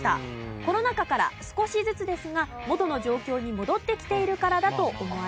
コロナ禍から少しずつですが元の状況に戻ってきているからだと思われます。